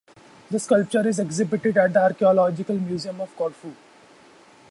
The sculpture is exhibited at the Archaeological Museum of Corfu.